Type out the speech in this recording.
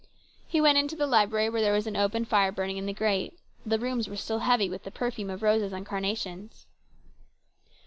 He went into the library where there was an open fire burning in the grate. The rooms were still heavy with the perfume of roses and carnations.